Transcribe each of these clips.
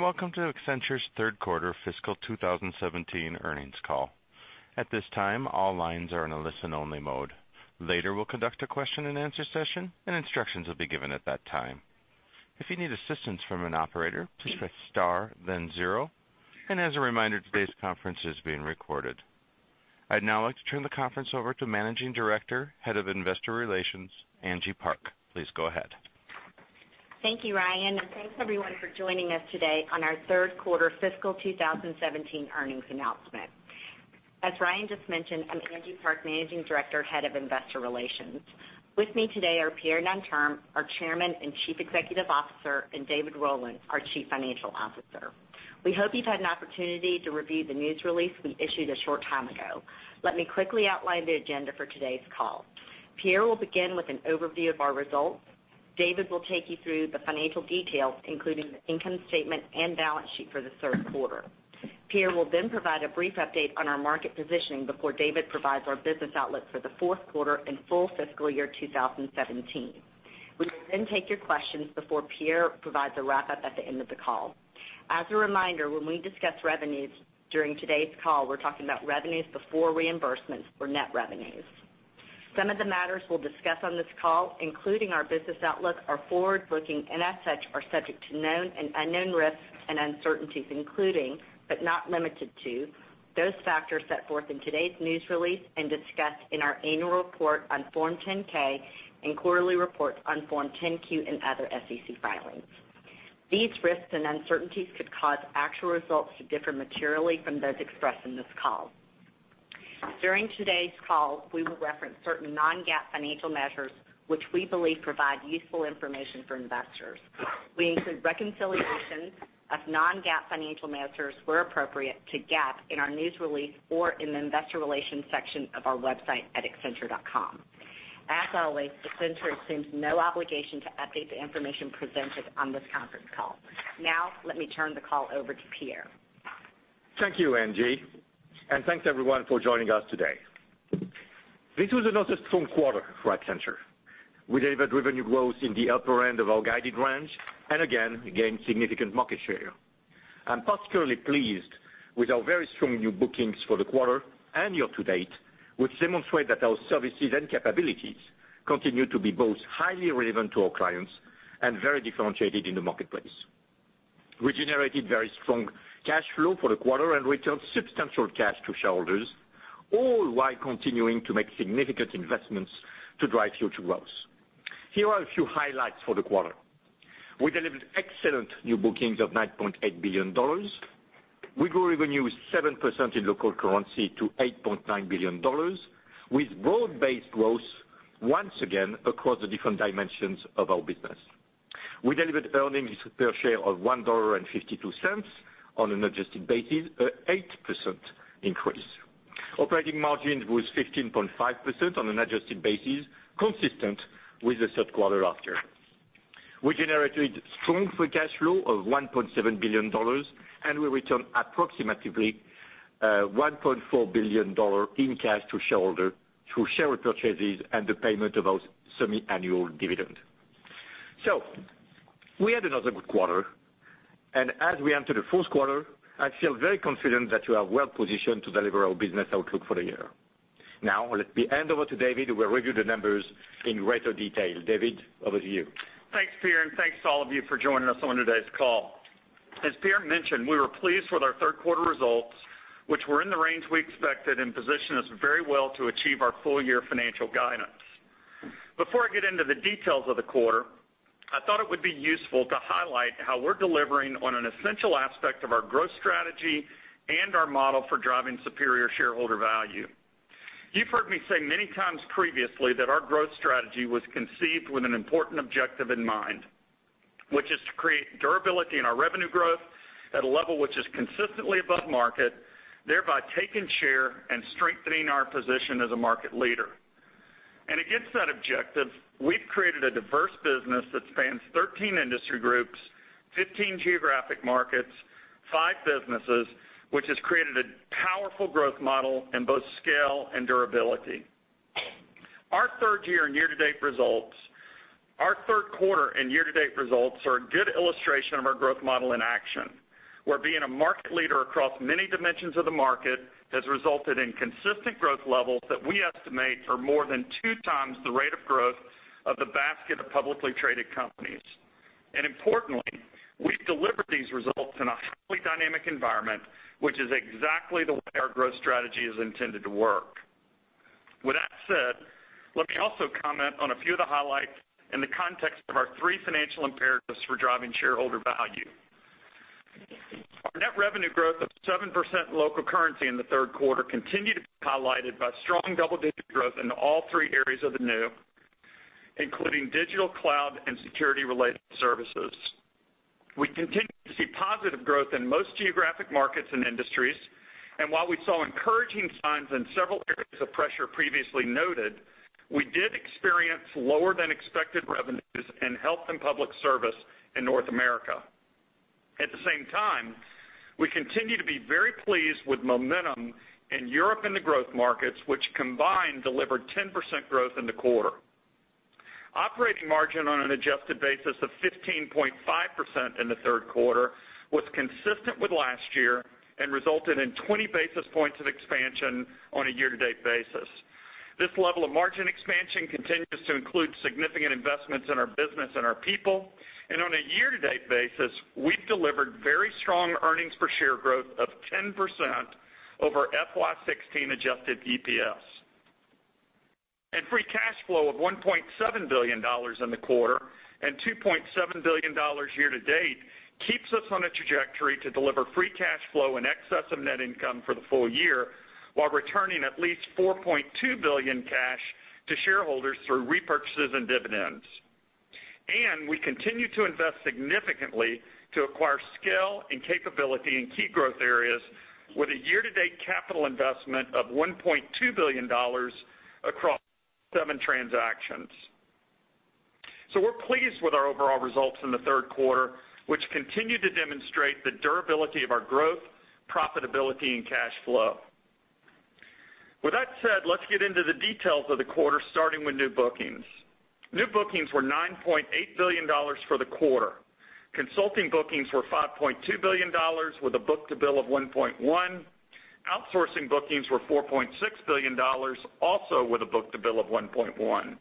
Welcome to Accenture's third quarter fiscal 2017 earnings call. At this time, all lines are in a listen-only mode. Later, we'll conduct a question and answer session, and instructions will be given at that time. If you need assistance from an operator, please press star then zero. As a reminder, today's conference is being recorded. I'd now like to turn the conference over to Managing Director, Head of Investor Relations, Angie Park. Please go ahead. Thank you, Ryan. Thanks everyone for joining us today on our third quarter fiscal 2017 earnings announcement. As Ryan just mentioned, I'm Angie Park, Managing Director, Head of Investor Relations. With me today are Pierre Nanterme, our Chairman and Chief Executive Officer, and David Rowland, our Chief Financial Officer. We hope you've had an opportunity to review the news release we issued a short time ago. Let me quickly outline the agenda for today's call. Pierre will begin with an overview of our results. David will take you through the financial details, including the income statement and balance sheet for the third quarter. Pierre will then provide a brief update on our market positioning before David provides our business outlook for the fourth quarter and full fiscal year 2017. We will then take your questions before Pierre provides a wrap-up at the end of the call. As a reminder, when we discuss revenues during today's call, we're talking about revenues before reimbursements or net revenues. Some of the matters we'll discuss on this call, including our business outlook, are forward-looking and as such, are subject to known and unknown risks and uncertainties including, but not limited to, those factors set forth in today's news release and discussed in our annual report on Form 10-K and quarterly reports on Form 10-Q and other SEC filings. These risks and uncertainties could cause actual results to differ materially from those expressed in this call. During today's call, we will reference certain non-GAAP financial measures which we believe provide useful information for investors. We include reconciliations of non-GAAP financial measures where appropriate to GAAP in our news release or in the investor relations section of our website at accenture.com. As always, Accenture assumes no obligation to update the information presented on this conference call. Now, let me turn the call over to Pierre. Thank you, Angie. Thanks everyone for joining us today. This was another strong quarter for Accenture. We delivered revenue growth in the upper end of our guided range and again gained significant market share. I'm particularly pleased with our very strong new bookings for the quarter and year to date, which demonstrate that our services and capabilities continue to be both highly relevant to our clients and very differentiated in the marketplace. We generated very strong cash flow for the quarter and returned substantial cash to shareholders, all while continuing to make significant investments to drive future growth. Here are a few highlights for the quarter. We delivered excellent new bookings of $9.8 billion. We grew revenue 7% in local currency to $8.9 billion with broad-based growth once again across the different dimensions of our business. We delivered earnings per share of $1.52 on an adjusted basis, an 8% increase. Operating margin was 15.5% on an adjusted basis, consistent with the third quarter offer. We generated strong free cash flow of $1.7 billion. We return approximately $1.4 billion in cash to shareholder through share repurchases and the payment of our semi-annual dividend. We had another good quarter. As we enter the fourth quarter, I feel very confident that we are well positioned to deliver our business outlook for the year. Let me hand over to David, who will review the numbers in greater detail. David, over to you. Thanks, Pierre. Thanks to all of you for joining us on today's call. As Pierre mentioned, we were pleased with our third quarter results, which were in the range we expected and position us very well to achieve our full year financial guidance. Before I get into the details of the quarter, I thought it would be useful to highlight how we're delivering on an essential aspect of our growth strategy and our model for driving superior shareholder value. You've heard me say many times previously that our growth strategy was conceived with an important objective in mind, which is to create durability in our revenue growth at a level which is consistently above market, thereby taking share and strengthening our position as a market leader. Against that objective, we've created a diverse business that spans 13 industry groups, 15 geographic markets, five businesses, which has created a powerful growth model in both scale and durability. Our third quarter and year to date results are a good illustration of our growth model in action, where being a market leader across many dimensions of the market has resulted in consistent growth levels that we estimate are more than two times the rate of growth of the basket of publicly traded companies. Importantly, we've delivered these results in a highly dynamic environment, which is exactly the way our growth strategy is intended to work. With that said, let me also comment on a few of the highlights in the context of our three financial imperatives for driving shareholder value. Our net revenue growth of 7% in local currency in the third quarter continued to be highlighted by strong double-digit growth into all three areas of the new, including digital cloud and security-related services. We continue to see positive growth in most geographic markets and industries, and while we saw encouraging signs in several areas of pressure previously noted, we did experience lower than expected revenues in Health & Public Service in North America. At the same time, we continue to be very pleased with momentum in Europe and the growth markets, which combined delivered 10% growth in the quarter. Operating margin on an adjusted basis of 15.5% in the third quarter was consistent with last year and resulted in 20 basis points of expansion on a year-to-date basis. This level of margin expansion continues to include significant investments in our business and our people, on a year-to-date basis, we've delivered very strong earnings per share growth of 10% over FY 2016 adjusted EPS. Free cash flow of $1.7 billion in the quarter and $2.7 billion year-to-date keeps us on a trajectory to deliver free cash flow in excess of net income for the full year while returning at least $4.2 billion cash to shareholders through repurchases and dividends. We continue to invest significantly to acquire skill and capability in key growth areas with a year-to-date capital investment of $1.2 billion across seven transactions. We're pleased with our overall results in the third quarter, which continue to demonstrate the durability of our growth, profitability, and cash flow. With that said, let's get into the details of the quarter, starting with new bookings. New bookings were $9.8 billion for the quarter. Consulting bookings were $5.2 billion with a book-to-bill of 1.1. Outsourcing bookings were $4.6 billion, also with a book-to-bill of 1.1.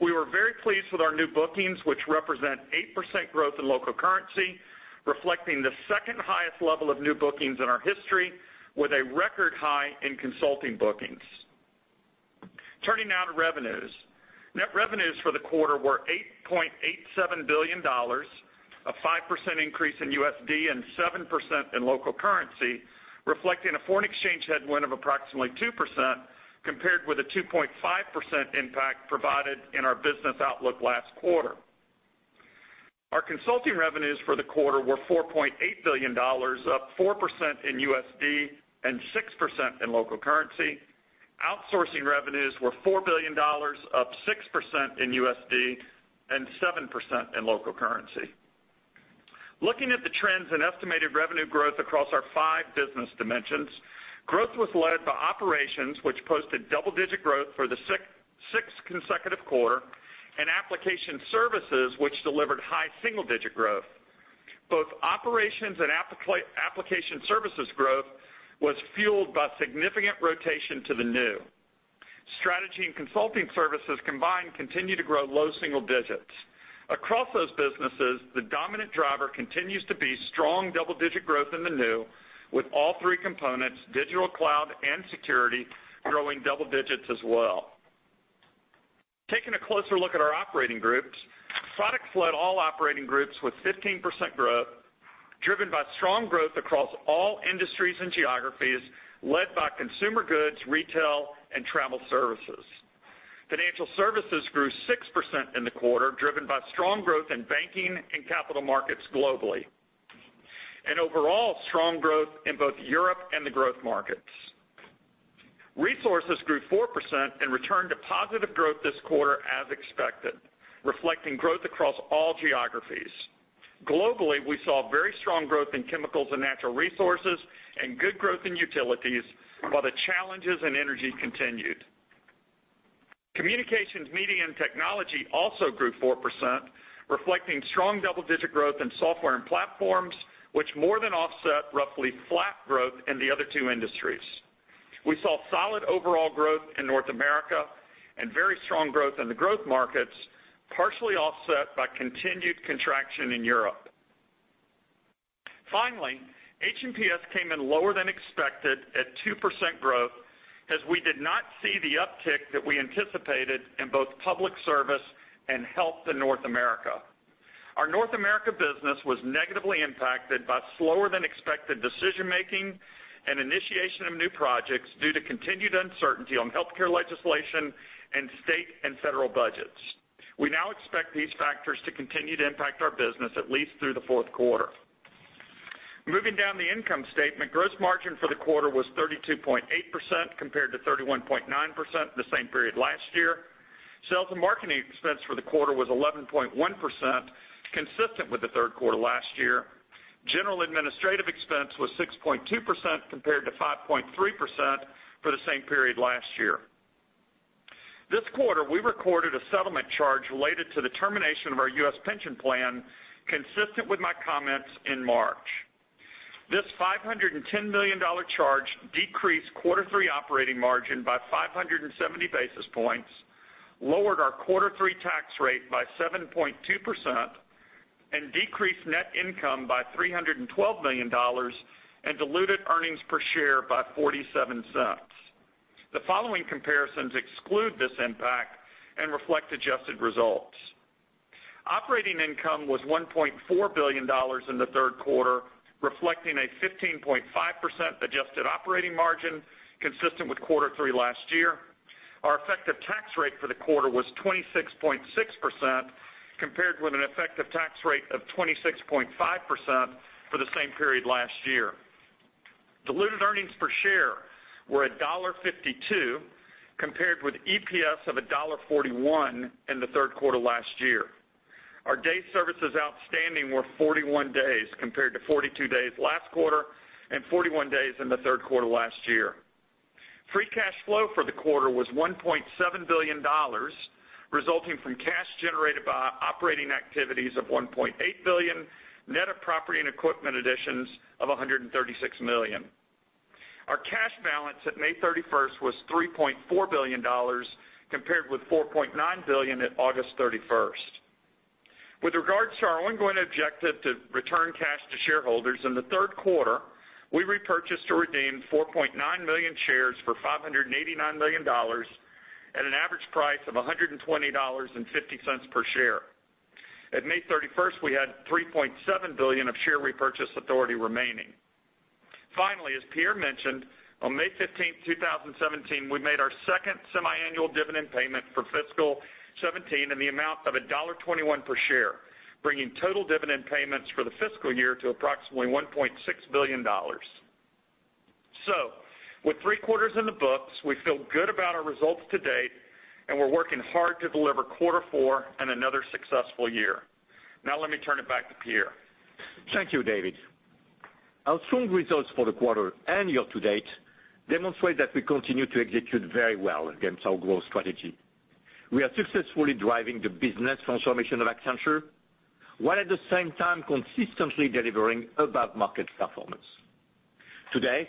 We were very pleased with our new bookings, which represent 8% growth in local currency, reflecting the second-highest level of new bookings in our history, with a record high in consulting bookings. Turning now to revenues. Net revenues for the quarter were $8.87 billion, a 5% increase in USD and 7% in local currency, reflecting a foreign exchange headwind of approximately 2% compared with a 2.5% impact provided in our business outlook last quarter. Our consulting revenues for the quarter were $4.8 billion, up 4% in USD and 6% in local currency. Outsourcing revenues were $4 billion, up 6% in USD and 7% in local currency. Looking at the trends in estimated revenue growth across our five business dimensions, growth was led by operations, which posted double-digit growth for the sixth consecutive quarter, and application services, which delivered high single-digit growth. Both operations and application services growth was fueled by significant rotation to the new. Strategy and consulting services combined continue to grow low single digits. Across those businesses, the dominant driver continues to be strong double-digit growth in the new, with all three components, digital cloud and security, growing double digits as well. Taking a closer look at our operating groups, Products led all operating groups with 15% growth, driven by strong growth across all industries and geographies, led by consumer goods, retail, and travel services. Financial Services grew 6% in the quarter, driven by strong growth in banking and capital markets globally, and overall strong growth in both Europe and the growth markets. Resources grew 4% and returned to positive growth this quarter as expected, reflecting growth across all geographies. Globally, we saw very strong growth in chemicals and natural resources and good growth in utilities, while the challenges in energy continued. Communications, media, and technology also grew 4%, reflecting strong double-digit growth in software and platforms, which more than offset roughly flat growth in the other two industries. We saw solid overall growth in North America and very strong growth in the growth markets, partially offset by continued contraction in Europe. Finally, H&PS came in lower than expected at 2% growth, as we did not see the uptick that we anticipated in both public service and health in North America. Our North America business was negatively impacted by slower-than-expected decision-making and initiation of new projects due to continued uncertainty on healthcare legislation and state and federal budgets. We now expect these factors to continue to impact our business at least through the fourth quarter. Moving down the income statement, gross margin for the quarter was 32.8% compared to 31.9% the same period last year. Sales and marketing expense for the quarter was 11.1%, consistent with the third quarter last year. General administrative expense was 6.2% compared to 5.3% for the same period last year. This quarter, we recorded a settlement charge related to the termination of our U.S. pension plan, consistent with my comments in March. This $510 million charge decreased quarter three operating margin by 570 basis points, lowered our quarter three tax rate by 7.2%, and decreased net income by $312 million and diluted earnings per share by $0.47. The following comparisons exclude this impact and reflect adjusted results. Operating income was $1.4 billion in the third quarter, reflecting a 15.5% adjusted operating margin consistent with quarter three last year. Our effective tax rate for the quarter was 26.6%, compared with an effective tax rate of 26.5% for the same period last year. Diluted earnings per share were $1.52, compared with EPS of $1.41 in the third quarter last year. Our days services outstanding were 41 days compared to 42 days last quarter and 41 days in the third quarter last year. Free cash flow for the quarter was $1.7 billion, resulting from cash generated by operating activities of $1.8 billion, net of property and equipment additions of $136 million. Our cash balance at May 31st was $3.4 billion, compared with $4.9 billion at August 31st. With regards to our ongoing objective to return cash to shareholders, in the third quarter, we repurchased or redeemed 4.9 million shares for $589 million, at an average price of $120.50 per share. At May 31st, we had $3.7 billion of share repurchase authority remaining. Finally, as Pierre mentioned, on May 15th, 2017, we made our second semiannual dividend payment for fiscal 2017 in the amount of $1.21 per share, bringing total dividend payments for the fiscal year to approximately $1.6 billion. With three quarters in the books, we feel good about our results to date, and we're working hard to deliver quarter four and another successful year. Now let me turn it back to Pierre. Thank you, David. Our strong results for the quarter and year to date demonstrate that we continue to execute very well against our growth strategy. We are successfully driving the business transformation of Accenture, while at the same time consistently delivering above-market performance. Today,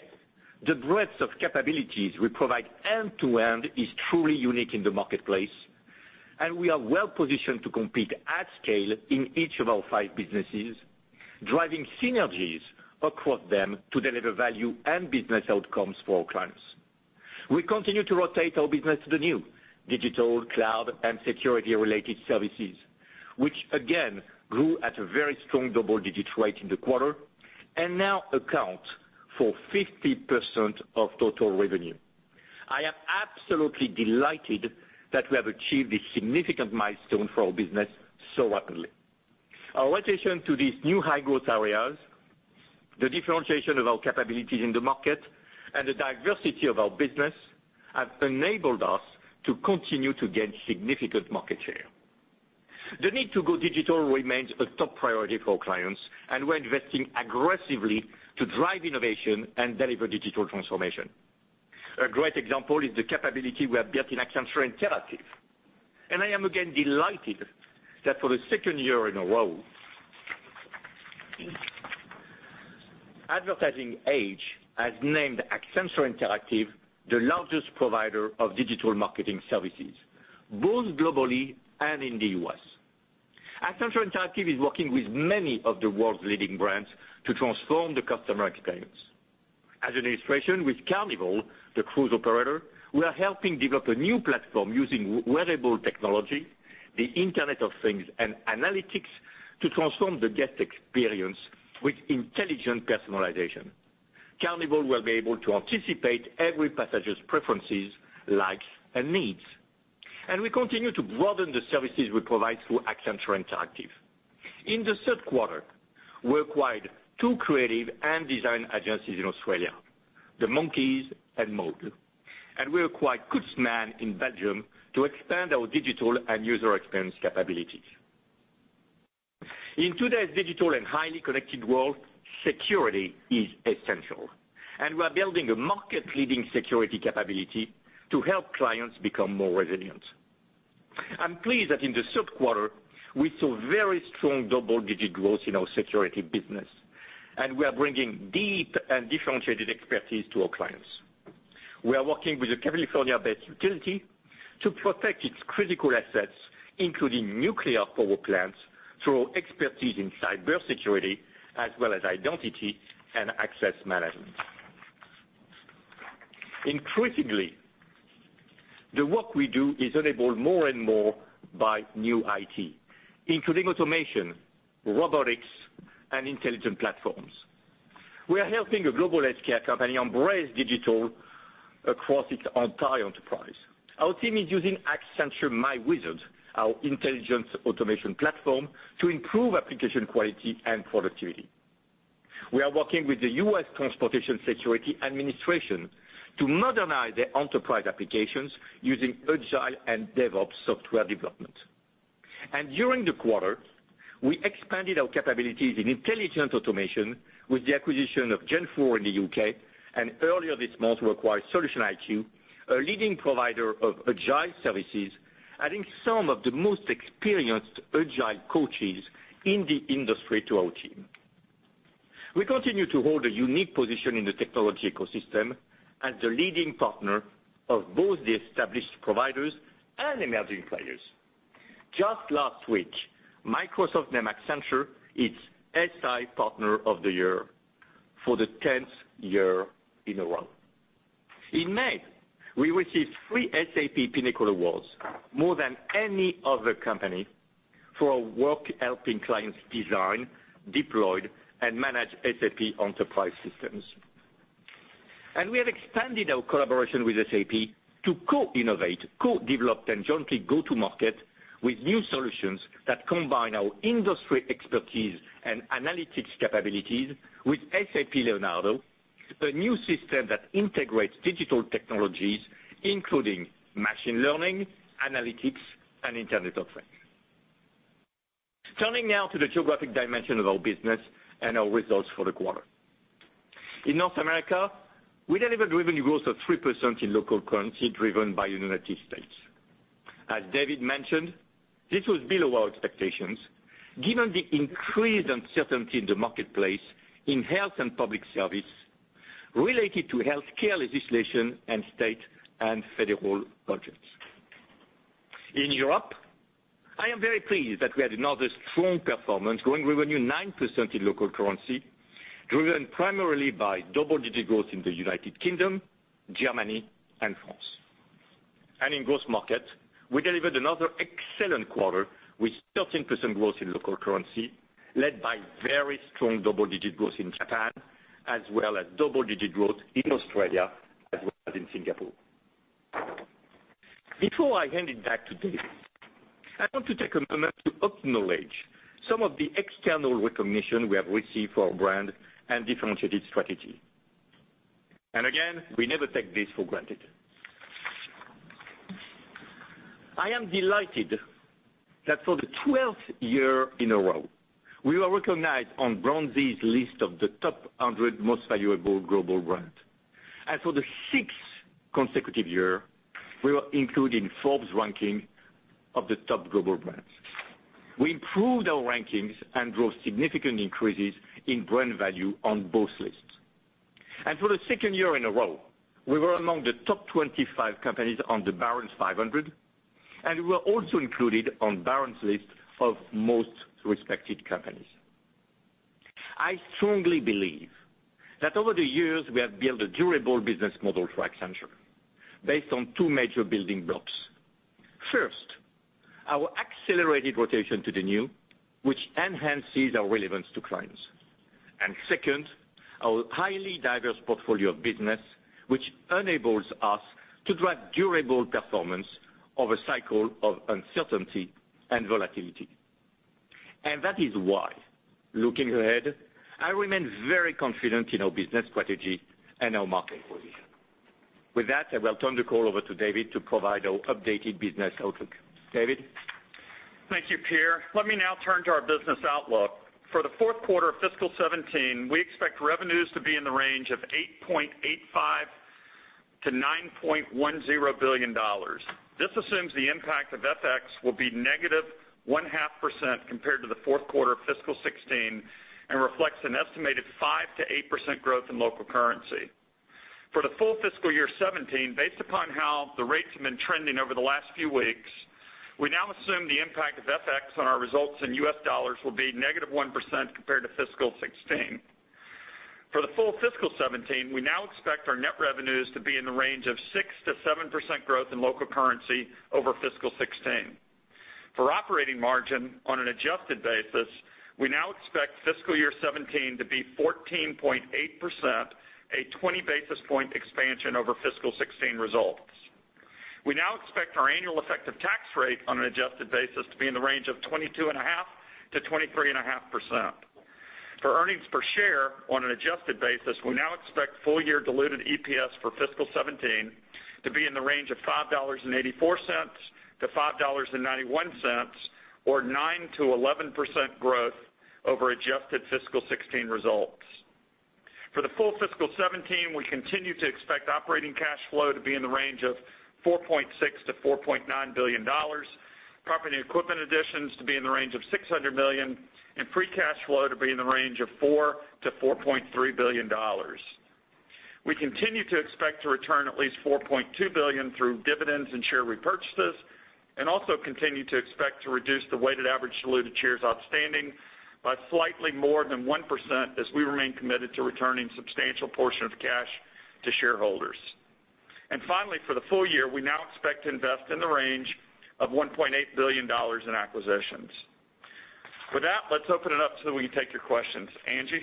the breadth of capabilities we provide end to end is truly unique in the marketplace, and we are well-positioned to compete at scale in each of our five businesses, driving synergies across them to deliver value and business outcomes for our clients. We continue to rotate our business to the new digital, cloud, and security-related services, which again grew at a very strong double-digit rate in the quarter and now account for 50% of total revenue. I am absolutely delighted that we have achieved this significant milestone for our business so rapidly. Our rotation to these new high-growth areas, the differentiation of our capabilities in the market, and the diversity of our business have enabled us to continue to gain significant market share. The need to go digital remains a top priority for our clients, and we're investing aggressively to drive innovation and deliver digital transformation. A great example is the capability we have built in Accenture Interactive. I am again delighted that for the second year in a row, Advertising Age has named Accenture Interactive the largest provider of digital marketing services, both globally and in the U.S. Accenture Interactive is working with many of the world's leading brands to transform the customer experience. As an illustration, with Carnival, the cruise operator, we are helping develop a new platform using wearable technology, the Internet of Things, and analytics to transform the guest experience with intelligent personalization. Carnival will be able to anticipate every passenger's preferences, likes, and needs. We continue to broaden the services we provide through Accenture Interactive. In the third quarter, we acquired two creative and design agencies in Australia, The Monkeys and Maud, and we acquired Kunstmaan in Belgium to expand our digital and user experience capabilities. In today's digital and highly connected world, security is essential, and we're building a market-leading security capability to help clients become more resilient. I'm pleased that in the third quarter, we saw very strong double-digit growth in our security business, and we are bringing deep and differentiated expertise to our clients. We are working with a California-based utility to protect its critical assets, including nuclear power plants, through our expertise in cybersecurity as well as identity and access management. Increasingly, the work we do is enabled more and more by new IT, including automation, robotics, and intelligent platforms. We are helping a global scale company embrace digital across its entire enterprise. Our team is using Accenture myWizard, our intelligence automation platform, to improve application quality and productivity. We are working with the U.S. Transportation Security Administration to modernize their enterprise applications using Agile and DevOps software development. During the quarter, we expanded our capabilities in intelligent automation with the acquisition of Genfour in the U.K., and earlier this month, we acquired SolutionsIQ, a leading provider of Agile services, adding some of the most experienced Agile coaches in the industry to our team. We continue to hold a unique position in the technology ecosystem as the leading partner of both the established providers and emerging players. Just last week, Microsoft named Accenture its SI Partner of the Year for the 10th year in a row. In May, we received three SAP Pinnacle Awards, more than any other company, for our work helping clients design, deploy, and manage SAP enterprise systems. We have expanded our collaboration with SAP to co-innovate, co-develop, and jointly go to market with new solutions that combine our industry expertise and analytics capabilities with SAP Leonardo, a new system that integrates digital technologies including machine learning, analytics, and Internet of Things. Turning now to the geographic dimension of our business and our results for the quarter. In North America, we delivered revenue growth of 3% in local currency driven by U.S. As David mentioned, this was below our expectations given the increased uncertainty in the marketplace in health and public service related to healthcare legislation and state and federal budgets. In Europe, I am very pleased that we had another strong performance, growing revenue 9% in local currency, driven primarily by double-digit growth in the U.K., Germany and France. In growth markets, we delivered another excellent quarter with 13% growth in local currency, led by very strong double-digit growth in Japan as well as double-digit growth in Australia as well as in Singapore. Before I hand it back to David, I want to take a moment to acknowledge some of the external recognition we have received for our brand and differentiated strategy. Again, we never take this for granted. I am delighted that for the 12th year in a row, we were recognized on BrandZ's list of the top 100 most valuable global brands. For the sixth consecutive year, we were included in Forbes ranking of the top global brands. We improved our rankings and drove significant increases in brand value on both lists. For the second year in a row, we were among the top 25 companies on the Barron's 500, and we were also included on Barron's list of most respected companies. I strongly believe that over the years, we have built a durable business model for Accenture based on two major building blocks. First, our accelerated rotation to the new, which enhances our relevance to clients. Second, our highly diverse portfolio of business, which enables us to drive durable performance of a cycle of uncertainty and volatility. That is why, looking ahead, I remain very confident in our business strategy and our market position. With that, I will turn the call over to David to provide our updated business outlook. David? Thank you, Pierre. Let me now turn to our business outlook. For the fourth quarter of FY 2017, we expect revenues to be in the range of $8.85 billion-$9.10 billion. This assumes the impact of FX will be negative 1.5% compared to the fourth quarter of FY 2016 and reflects an estimated 5%-8% growth in local currency. For the full FY 2017, based upon how the rates have been trending over the last few weeks, we now assume the impact of FX on our results in US dollars will be negative 1% compared to FY 2016. For the full FY 2017, we now expect our net revenues to be in the range of 6%-7% growth in local currency over FY 2016. For operating margin on an adjusted basis, we now expect fiscal year 2017 to be 14.8%, a 20 basis point expansion over fiscal 2016 results. We now expect our annual effective tax rate on an adjusted basis to be in the range of 22.5%-23.5%. For earnings per share on an adjusted basis, we now expect full year diluted EPS for fiscal 2017 to be in the range of $5.84-$5.91 or 9%-11% growth over adjusted fiscal 2016 results. For the full fiscal 2017, we continue to expect operating cash flow to be in the range of $4.6 billion-$4.9 billion, property and equipment additions to be in the range of $600 million, and free cash flow to be in the range of $4 billion-$4.3 billion. We continue to expect to return at least $4.2 billion through dividends and share repurchases and also continue to expect to reduce the weighted average diluted shares outstanding by slightly more than 1% as we remain committed to returning substantial portion of cash to shareholders. Finally, for the full year, we now expect to invest in the range of $1.8 billion in acquisitions. With that, let's open it up so we can take your questions. Angie?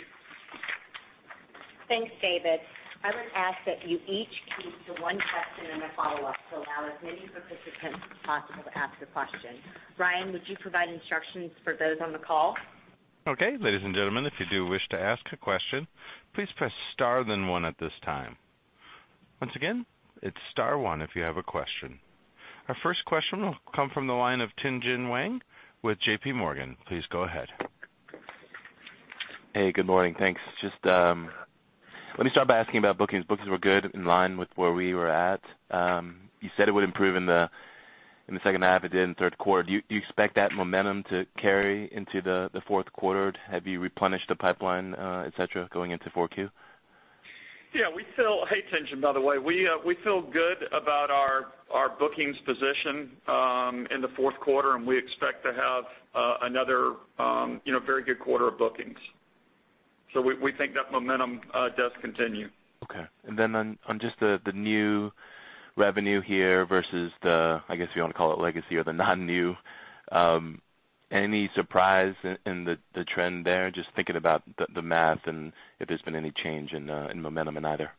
Thanks, David. I would ask that you each keep to one question and a follow-up to allow as many participants as possible to ask a question. Ryan, would you provide instructions for those on the call? Okay. Ladies and gentlemen, if you do wish to ask a question, please press star then one at this time. Once again, it's star one if you have a question. Our first question will come from the line of Tien-Tsin Huang with JPMorgan. Please go ahead. Hey, good morning. Thanks. Just let me start by asking about bookings. Bookings were good, in line with where we were at. You said it would improve in the second half. It did in the third quarter. Do you expect that momentum to carry into the fourth quarter? Have you replenished the pipeline, et cetera, going into Q4? Yeah. Hey, Tien-Tsin, by the way. We feel good about our bookings position in the fourth quarter. We expect to have another very good quarter of bookings. We think that momentum does continue. Okay. Then on just the new revenue here versus the, I guess you want to call it legacy or the non-new, any surprise in the trend there? Just thinking about the math and if there's been any change in momentum in either.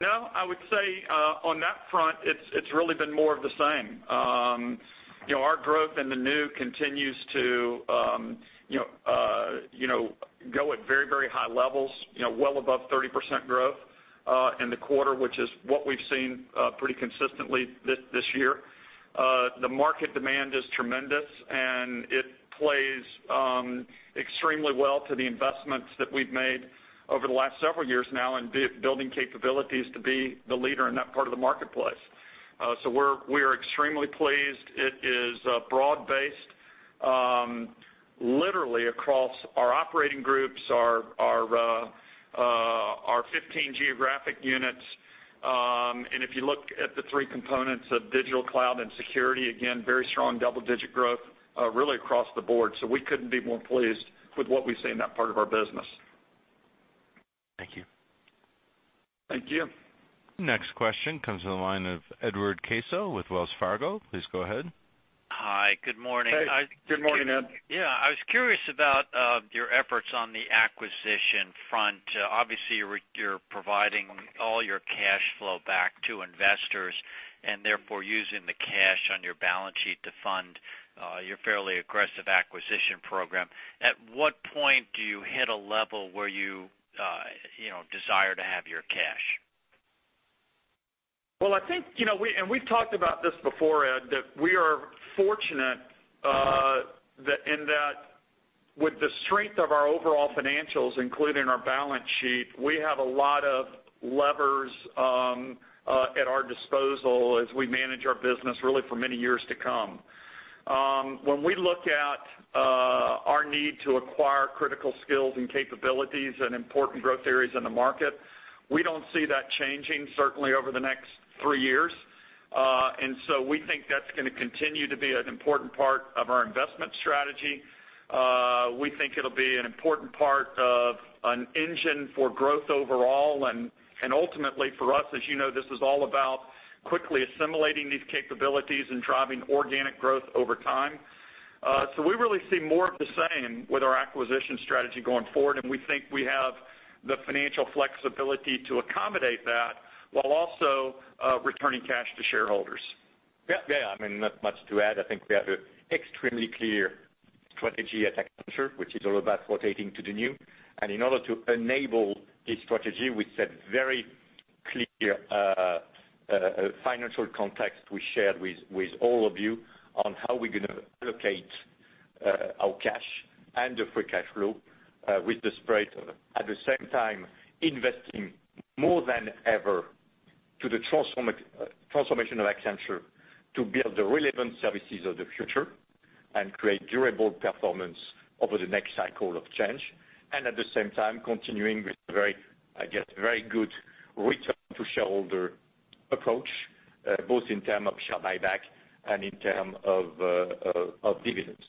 No. I would say on that front, it's really been more of the same. Our growth in the new continues to go at very, very high levels, well above 30% growth in the quarter, which is what we've seen pretty consistently this year. The market demand is tremendous. It plays extremely well to the investments that we've made over the last several years now in building capabilities to be the leader in that part of the marketplace. We're extremely pleased. It is broad-based literally across our operating groups, our 15 geographic units. If you look at the three components of digital, cloud, and security, again, very strong double-digit growth really across the board. We couldn't be more pleased with what we see in that part of our business. Thank you. Thank you. Next question comes from the line of Edward Caso with Wells Fargo. Please go ahead. Hi, good morning. Good morning, Ed. Yeah, I was curious about your efforts on the acquisition front. Obviously, you're providing all your cash flow back to investors. Therefore, using the cash on your balance sheet to fund your fairly aggressive acquisition program. At what point do you hit a level where you desire to have your cash? Well, we've talked about this before, Ed, that we are fortunate in that with the strength of our overall financials, including our balance sheet, we have a lot of levers at our disposal as we manage our business really for many years to come. When we look at our need to acquire critical skills and capabilities and important growth areas in the market, we don't see that changing certainly over the next three years. We think that's going to continue to be an important part of our investment strategy. We think it'll be an important part of an engine for growth overall, and ultimately for us, as you know, this is all about quickly assimilating these capabilities and driving organic growth over time. We really see more of the same with our acquisition strategy going forward, and we think we have the financial flexibility to accommodate that while also returning cash to shareholders. Yeah. Not much to add. I think we have an extremely clear strategy at Accenture, which is all about rotating to the new. In order to enable this strategy, we set very clear financial context we shared with all of you on how we're going to allocate our cash and the free cash flow with the spread. At the same time, investing more than ever to the transformation of Accenture to build the relevant services of the future and create durable performance over the next cycle of change. At the same time, continuing with very, I guess, very good return to shareholder approach, both in term of share buyback and in term of dividends.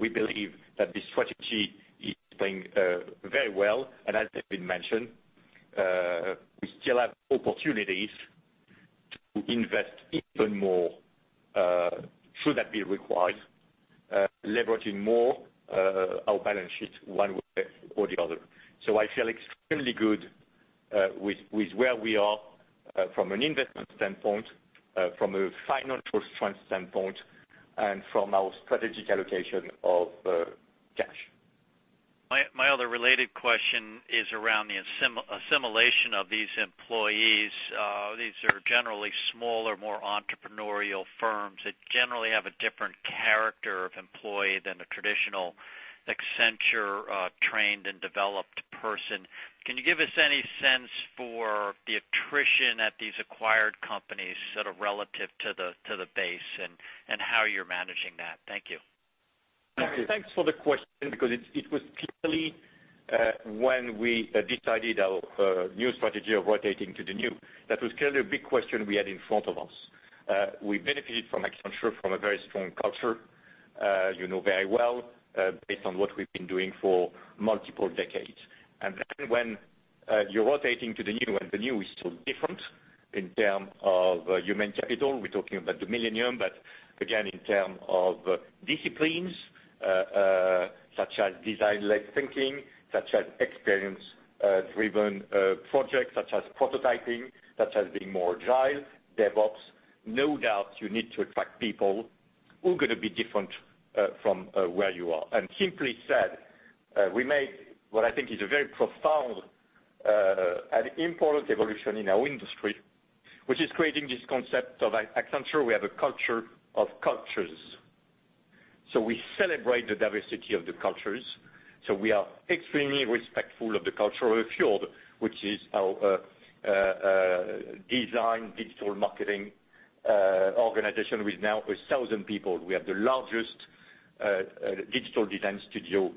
We believe that this strategy is playing very well. As David mentioned, we still have opportunities to invest even more should that be required, leveraging more our balance sheet one way or the other. I feel extremely good with where we are from an investment standpoint, from a financial strength standpoint, and from our strategic allocation of cash. My other related question is around the assimilation of these employees. These are generally smaller, more entrepreneurial firms that generally have a different character of employee than a traditional Accenture-trained and developed person. Can you give us any sense for the attrition at these acquired companies sort of relative to the base and how you're managing that? Thank you. Thanks for the question because it was purely when we decided our new strategy of rotating to the new. That was clearly a big question we had in front of us. We benefited from Accenture from a very strong culture as you know very well based on what we've been doing for multiple decades. When you're rotating to the new, and the new is so different in term of human capital, we're talking about the millennium, but again, in term of disciplines such as design-led thinking, such as experience-driven projects, such as prototyping, such as being more Agile, DevOps. No doubt you need to attract people who are going to be different from where you are. Simply said, we made what I think is a very profound and important evolution in our industry, which is creating this concept of at Accenture, we have a culture of cultures. We celebrate the diversity of the cultures. We are extremely respectful of the culture of Fjord, which is our design digital marketing organization with now 1,000 people. We have the largest digital design studio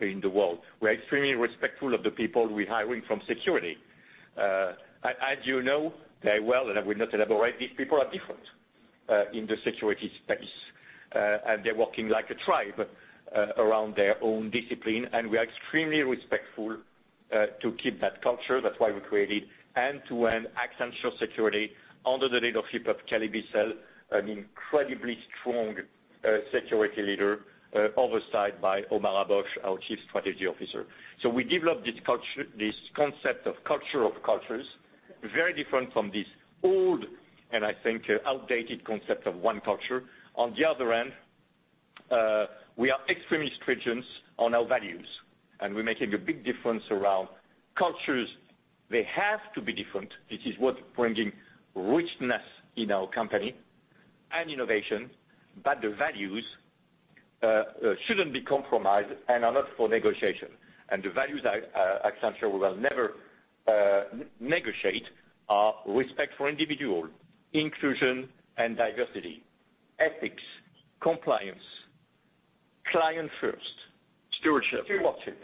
in the world. We're extremely respectful of the people we're hiring from security. As you know very well, and I will not elaborate, these people are different in the security space. They're working like a tribe around their own discipline, and we are extremely respectful to keep that culture. That's why we created end-to-end Accenture Security under the leadership of Kelly Bissell, an incredibly strong security leader, oversight by Omar Abbosh, our Chief Strategy Officer. We developed this concept of culture of cultures, very different from this old I think outdated concept of one culture. On the other hand, we are extremely stringent on our values, and we're making a big difference around cultures. They have to be different. It is what's bringing richness in our company and innovation. The values shouldn't be compromised and are not for negotiation. The values at Accenture we will never negotiate are respect for individual, inclusion and diversity, ethics, compliance, client first- Stewardship stewardship.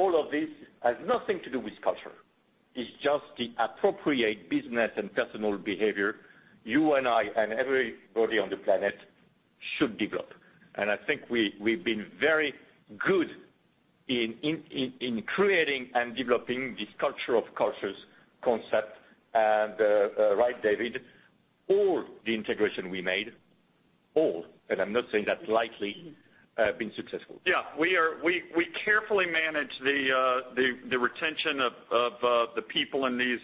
All of this has nothing to do with culture. It's just the appropriate business and personal behavior you and I, and everybody on the planet should develop. I think we've been very good in creating and developing this culture of cultures concept and, right, David? All the integration we made, all, and I'm not saying that lightly, have been successful. Yeah. We carefully manage the retention of the people in these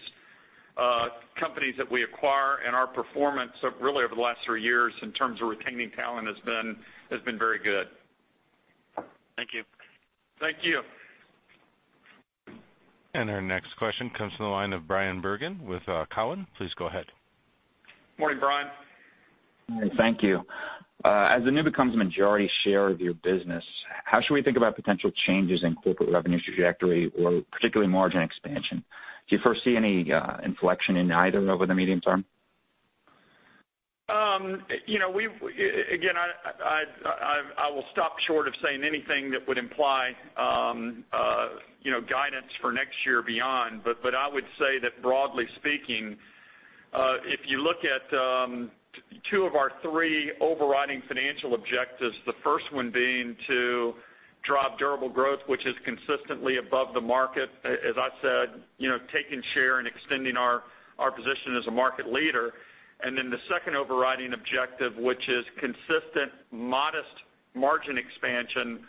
companies that we acquire, and our performance really over the last three years in terms of retaining talent has been very good. Thank you. Thank you. Our next question comes from the line of Bryan Bergin with Cowen. Please go ahead. Morning, Bryan. Thank you. As the new becomes a majority share of your business, how should we think about potential changes in corporate revenue trajectory or particularly margin expansion? Do you foresee any inflection in either over the medium term? I will stop short of saying anything that would imply guidance for next year beyond, but I would say that broadly speaking, if you look at two of our three overriding financial objectives, the first one being to drive durable growth, which is consistently above the market, as I said, taking share and extending our position as a market leader, and then the second overriding objective, which is consistent modest margin expansion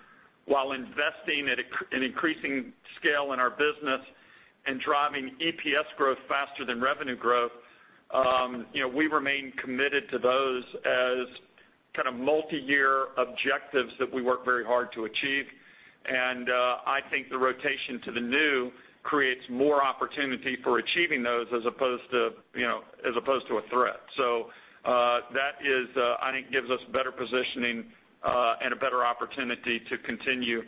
while investing and increasing scale in our business and driving EPS growth faster than revenue growth. We remain committed to those as multi-year objectives that we work very hard to achieve. I think the rotation to the new creates more opportunity for achieving those as opposed to a threat. That I think gives us better positioning, and a better opportunity to continue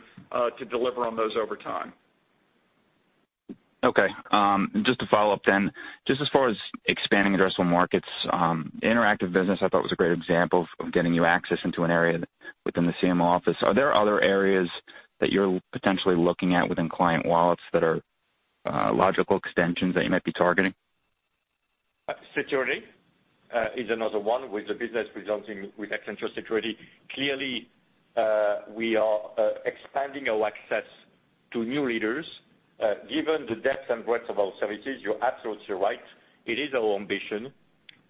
to deliver on those over time. Okay. Just to follow up then, just as far as expanding addressable markets, Accenture Interactive I thought was a great example of getting you access into an area within the CMO office. Are there other areas that you're potentially looking at within client wallets that are logical extensions that you might be targeting? Security is another one with the business resulting with Accenture Security. Clearly, we are expanding our access to new leaders. Given the depth and breadth of our services, you're absolutely right. It is our ambition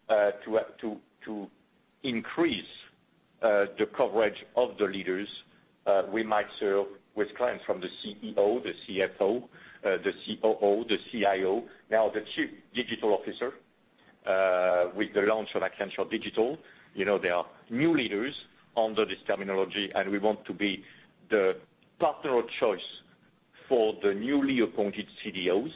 to increase the coverage of the leaders we might serve with clients from the CEO, the CFO, the COO, the CIO, now the Chief Digital Officer, with the launch of Accenture Digital. There are new leaders under this terminology, and we want to be the partner of choice for the newly appointed CDOs,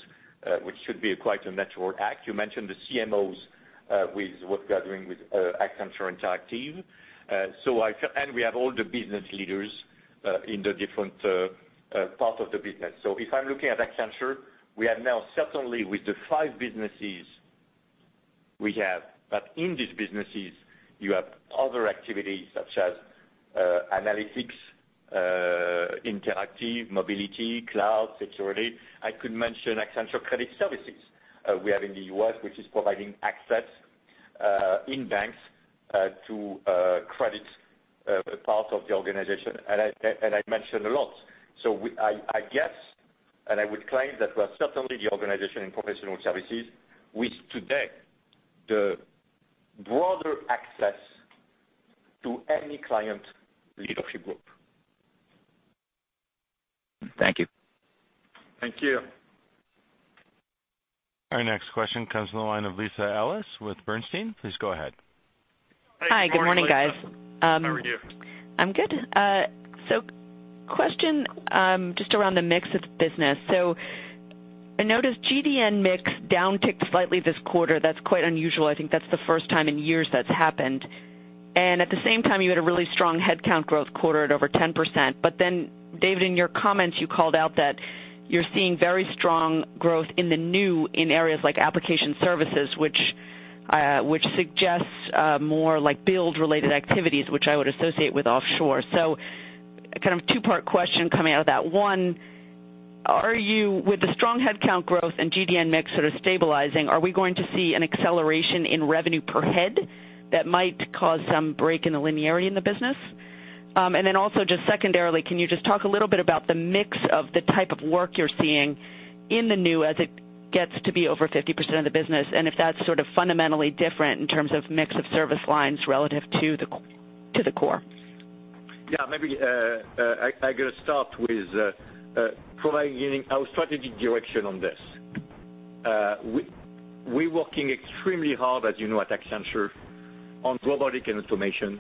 which should be quite a natural act. You mentioned the CMOs with what we are doing with Accenture Interactive. We have all the business leaders in the different parts of the business. If I'm looking at Accenture, we are now certainly with the five businesses we have, but in these businesses, you have other activities such as analytics, interactive, mobility, cloud, security. I could mention Accenture Credit Services we have in the U.S., which is providing access in banks to credit part of the organization. I mentioned a lot. I guess, and I would claim that we are certainly the organization in professional services with today the broader access to any client leadership group. Thank you. Thank you. Our next question comes from the line of Lisa Ellis with Bernstein. Please go ahead. Hey, good morning, Lisa. How are you? I'm good. Question just around the mix of the business. I noticed GDN mix downticked slightly this quarter. That's quite unusual. I think that's the first time in years that's happened. At the same time, you had a really strong headcount growth quarter at over 10%. David, in your comments, you called out that you're seeing very strong growth in the new in areas like application services, which suggests more build-related activities, which I would associate with offshore. Two-part question coming out of that. One, with the strong headcount growth and GDN mix sort of stabilizing, are we going to see an acceleration in revenue per head that might cause some break in the linearity in the business? Also just secondarily, can you just talk a little bit about the mix of the type of work you're seeing in the new as it gets to be over 50% of the business, and if that's sort of fundamentally different in terms of mix of service lines relative to the core? I'm going to start with providing our strategic direction on this. We're working extremely hard, as you know, at Accenture on robotic and automation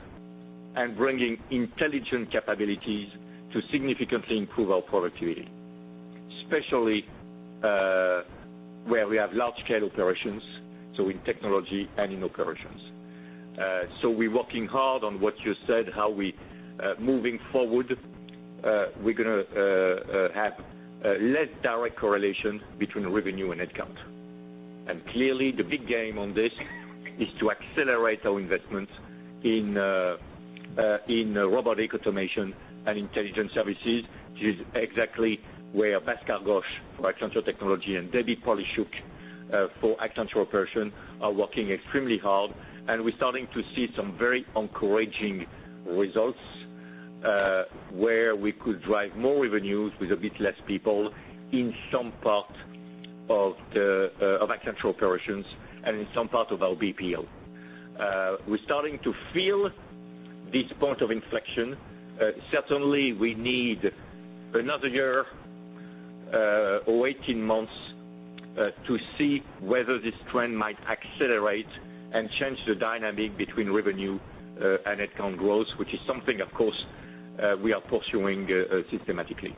and bringing intelligent capabilities to significantly improve our productivity, especially where we have large-scale operations, so in technology and in operations. We're working hard on what you said, how we, moving forward, we're going to have less direct correlation between revenue and headcount. Clearly, the big game on this is to accelerate our investments in robotic automation and intelligence services, which is exactly where Bhaskar Ghosh for Accenture Technology and Debra A. Polishook for Accenture Operations are working extremely hard. We're starting to see some very encouraging results, where we could drive more revenues with a bit less people in some part of Accenture Operations and in some part of our BPO. We're starting to feel this point of inflection. Certainly, we need another year or 18 months to see whether this trend might accelerate and change the dynamic between revenue and headcount growth, which is something, of course, we are pursuing systematically.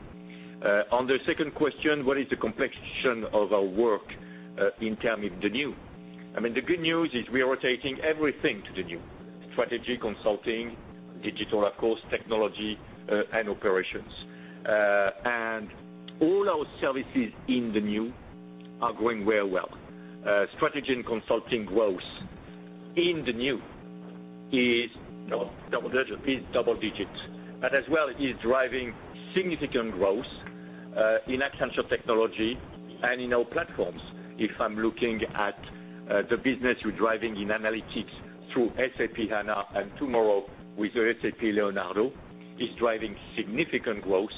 On the second question, what is the complexion of our work in terms of the new? The good news is we are rotating everything to the new: strategy, consulting, digital, of course, technology, and operations. All our services in the new are growing very well. Strategy and consulting growth in the new is double digit. As well, is driving significant growth in Accenture Technology and in our platforms. If I'm looking at the business we're driving in analytics through SAP HANA, and tomorrow with SAP Leonardo, is driving significant growth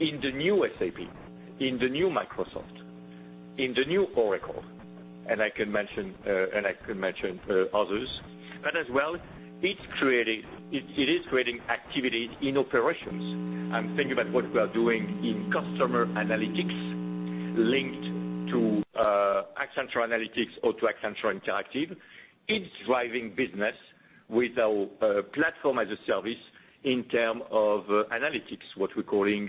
in the new SAP, in the new Microsoft, in the new Oracle, and I could mention others. As well, it is creating activity in operations. I'm thinking about what we are doing in customer analytics linked to Accenture Analytics or to Accenture Interactive. It's driving business with our platform as a service in terms of analytics, what we're calling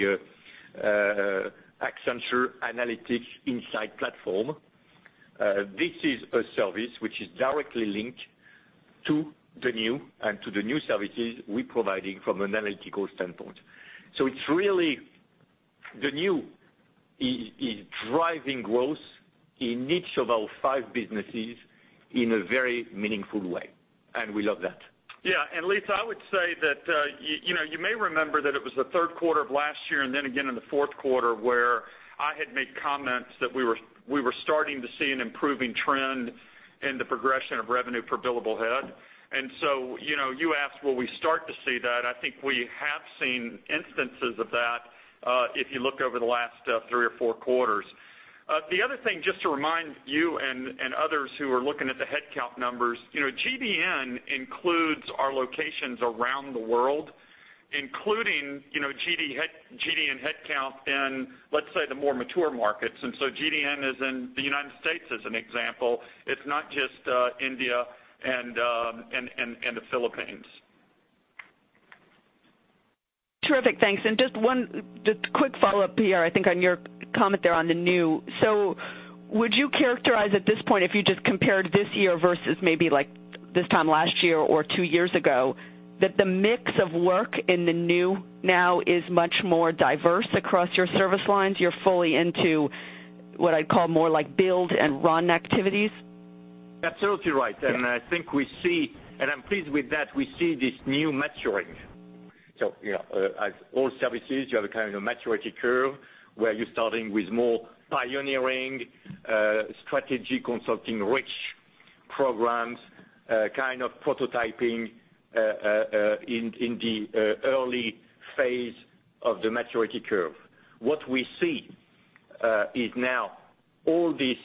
Accenture Insights Platform. This is a service which is directly linked to the new and to the new services we're providing from an analytical standpoint. It's really the new is driving growth in each of our five businesses in a very meaningful way, and we love that. Lisa, I would say that you may remember that it was the third quarter of last year, and then again in the fourth quarter, where I had made comments that we were starting to see an improving trend in the progression of revenue per billable head. You asked, will we start to see that? I think we have seen instances of that, if you look over the last three or four quarters. The other thing, just to remind you and others who are looking at the headcount numbers, GDN includes our locations around the world, including GDN headcount in, let's say, the more mature markets. GDN is in the U.S. as an example. It's not just India and the Philippines. Terrific. Thanks. Just one just quick follow-up, Pierre, I think on your comment there on the new. Would you characterize at this point, if you just compared this year versus maybe like this time last year or two years ago, that the mix of work in the new now is much more diverse across your service lines? You're fully into what I'd call more like build and run activities? Absolutely right. I think we see, and I'm pleased with that, we see this new maturing. As all services, you have a kind of maturity curve, where you're starting with more pioneering strategy consulting rich programs, kind of prototyping in the early phase of the maturity curve. What we see is now all these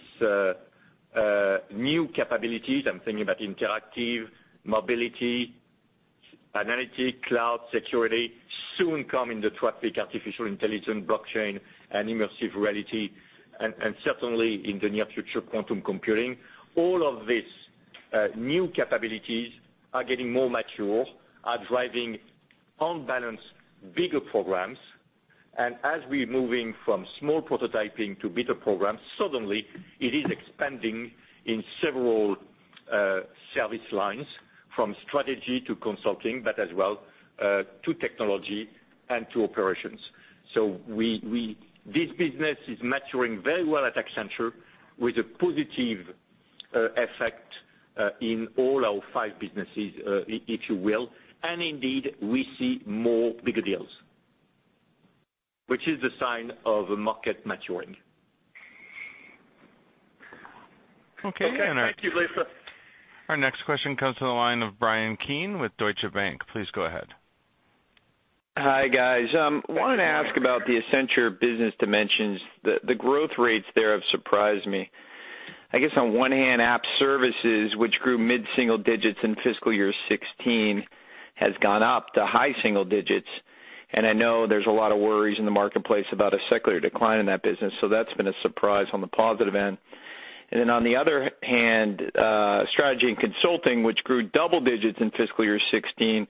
new capabilities, I'm thinking about interactive, mobility, analytic, cloud, security, soon come in the topic artificial intelligence, blockchain, and immersive reality, and certainly in the near future, quantum computing. All of these new capabilities are getting more mature, are driving on balance bigger programs. As we're moving from small prototyping to bigger programs, suddenly it is expanding in several service lines, from strategy to consulting, but as well to technology and to operations. This business is maturing very well at Accenture with a positive effect in all our five businesses if you will. Indeed, we see more bigger deals, which is a sign of a market maturing. Okay. Thank you, Lisa. Our next question comes to the line of Bryan Keane with Deutsche Bank. Please go ahead. Hi, guys. Wanted to ask about the Accenture business dimensions. The growth rates there have surprised me I guess on one hand, App Services, which grew mid-single digits in FY 2016, has gone up to high single digits. I know there's a lot of worries in the marketplace about a secular decline in that business, so that's been a surprise on the positive end. Then on the other hand, Strategy and Consulting, which grew double digits in FY 2016,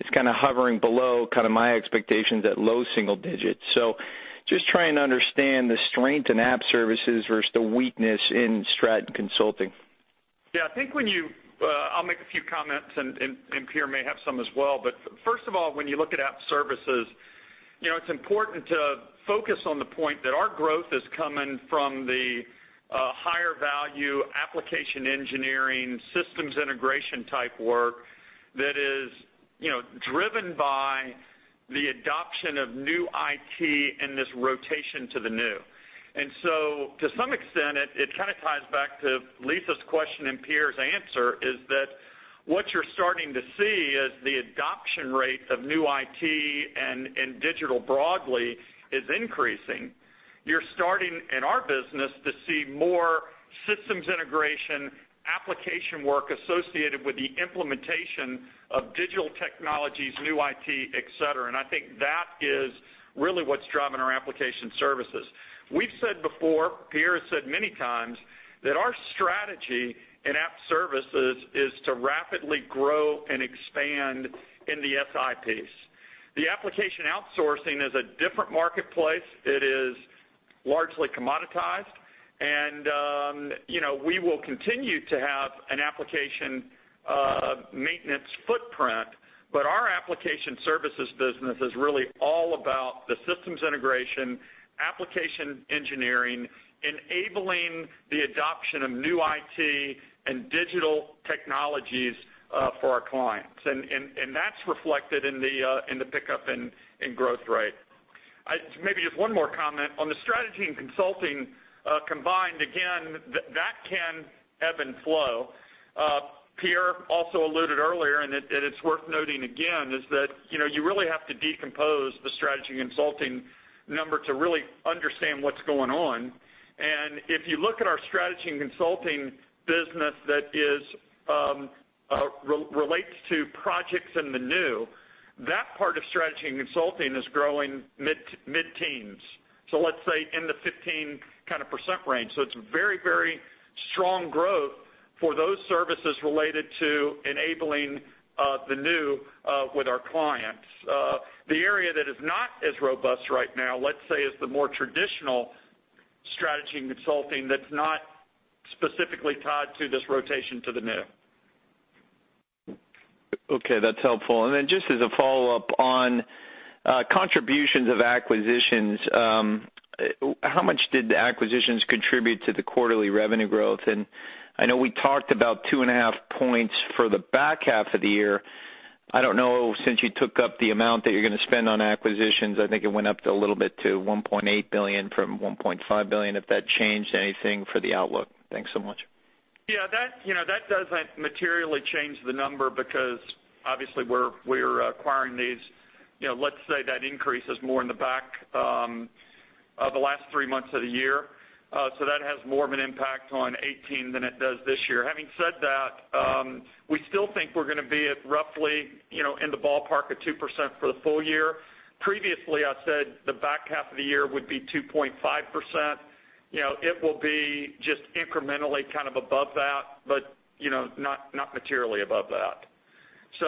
is kind of hovering below my expectations at low single digits. Just trying to understand the strength in App Services versus the weakness in Strat and Consulting. Yeah, I'll make a few comments, and Pierre may have some as well. But first of all, when you look at App Services, it's important to focus on the point that our growth is coming from the higher-value application engineering, systems integration type work that is driven by the adoption of new IT and this rotation to the new. So to some extent, it kind of ties back to Lisa's question and Pierre's answer is that what you're starting to see is the adoption rate of new IT and digital broadly is increasing. You're starting, in our business, to see more systems integration application work associated with the implementation of digital technologies, new IT, et cetera. I think that is really what's driving our application services. We've said before, Pierre has said many times, that our strategy in App Services is to rapidly grow and expand in the SI piece. The application outsourcing is a different marketplace. It is largely commoditized, and we will continue to have an application maintenance footprint, but our application services business is really all about the systems integration, application engineering, enabling the adoption of new IT and digital technologies for our clients. That's reflected in the pickup in growth rate. Maybe just one more comment. On the Strategy and Consulting combined, again, that can ebb and flow. Pierre also alluded earlier, and it's worth noting again, is that you really have to decompose the Strategy and Consulting number to really understand what's going on. If you look at our Strategy and Consulting business that relates to projects in the new, that part of Strategy and Consulting is growing mid-teens. Let's say in the 15% range. It's very strong growth for those services related to enabling the new with our clients. The area that is not as robust right now, let's say, is the more traditional Strategy and Consulting that's not specifically tied to this rotation to the new. Okay, that's helpful. Then just as a follow-up on contributions of acquisitions, how much did the acquisitions contribute to the quarterly revenue growth? I know we talked about 2.5 points for the back half of the year. I don't know, since you took up the amount that you're going to spend on acquisitions, I think it went up a little to $1.8 billion from $1.5 billion, if that changed anything for the outlook. Thanks so much. That doesn't materially change the number because obviously we're acquiring. Let's say that increase is more in the back of the last three months of the year. That has more of an impact on 2018 than it does this year. Having said that, we still think we're going to be at roughly in the ballpark of 2% for the full year. Previously, I said the back half of the year would be 2.5%. It will be just incrementally above that, but not materially above that.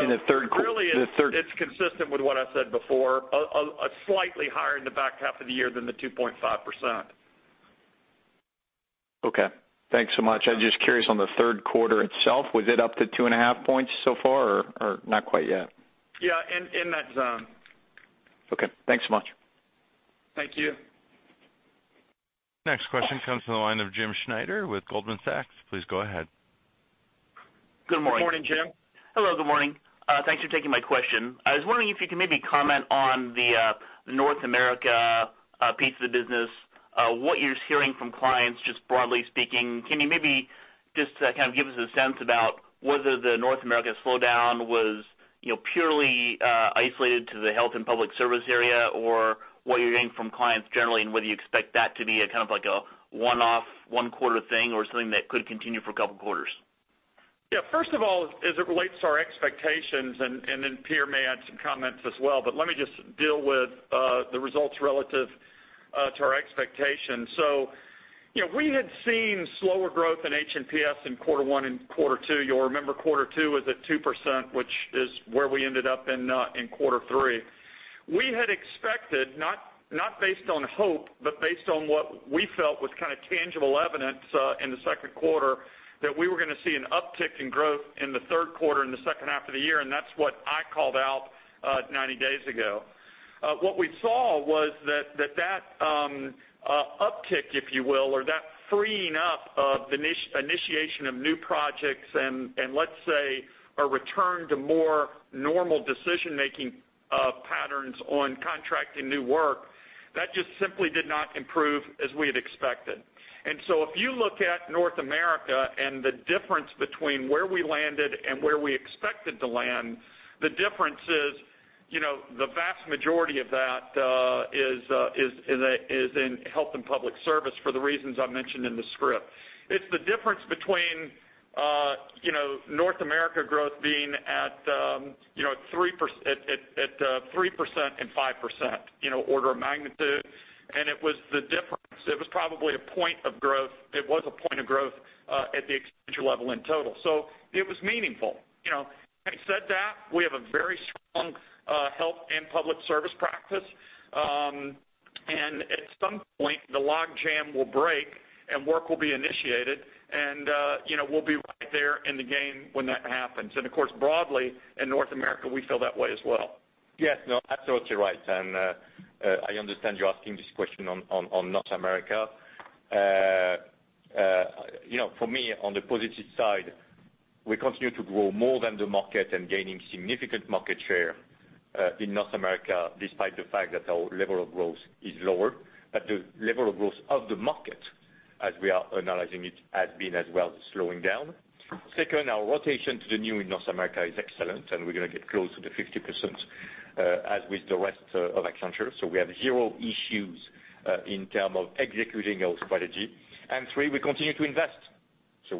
In the third- Really, it's consistent with what I said before, slightly higher in the back half of the year than the 2.5%. Okay. Thanks so much. I'm just curious on the third quarter itself, was it up to two and a half points so far or not quite yet? Yeah, in that zone. Okay. Thanks so much. Thank you. Next question comes from the line of James Schneider with Goldman Sachs. Please go ahead. Good morning. Good morning, Jim. Hello, good morning. Thanks for taking my question. I was wondering if you could maybe comment on the North America piece of the business, what you're hearing from clients, just broadly speaking. Can you maybe just kind of give us a sense about whether the North America slowdown was purely isolated to the health and public service area, or what you're hearing from clients generally, and whether you expect that to be a kind of like a one-off, one-quarter thing or something that could continue for a couple of quarters? First of all, as it relates to our expectations, Pierre may add some comments as well, but let me just deal with the results relative to our expectations. We had seen slower growth in H&PS in quarter one and quarter two. You'll remember quarter two was at 2%, which is where we ended up in quarter three. We had expected, not based on hope, but based on what we felt was kind of tangible evidence in the second quarter, that we were going to see an uptick in growth in the third quarter, in the second half of the year, and that's what I called out 90 days ago. What we saw was that uptick, if you will, or that freeing up of the initiation of new projects and let's say a return to more normal decision-making patterns on contracting new work, that just simply did not improve as we had expected. If you look at North America and the difference between where we landed and where we expected to land, the difference is The vast majority of that is in health and public service for the reasons I mentioned in the script. It's the difference between North America growth being at 3% and 5%, order of magnitude. It was the difference. It was probably a point of growth. It was a point of growth at the Accenture level in total. It was meaningful. Having said that, we have a very strong health and public service practice. At some point, the log jam will break and work will be initiated, and we'll be right there in the game when that happens. Of course, broadly, in North America, we feel that way as well. Yes, no, absolutely right. I understand you're asking this question on North America. For me, on the positive side, we continue to grow more than the market and gaining significant market share in North America, despite the fact that our level of growth is lower, that the level of growth of the market, as we are analyzing it, has been as well slowing down. Our rotation to the new in North America is excellent, and we're going to get close to the 50%, as with the rest of Accenture. We have zero issues in terms of executing our strategy. Three, we continue to invest.